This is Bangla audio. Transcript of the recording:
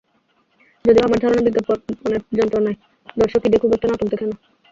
যদিও আমার ধারণা, বিজ্ঞাপনের যন্ত্রণায় দর্শক ঈদে খুব একটা নাটক দেখে না।